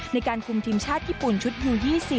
ในการคุมทีมชาติญี่ปุ่นชุดยู๒๐